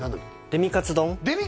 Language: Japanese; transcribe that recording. デミカツ丼！